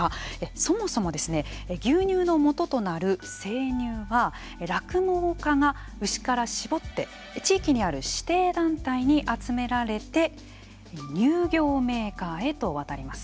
そもそもですね牛乳のもととなる生乳は酪農家が牛から搾って地域にある指定団体に集められて乳業メーカーへと渡ります。